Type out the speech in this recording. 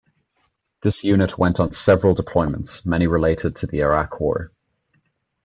This unit went on several deployments, many related to the Iraq War.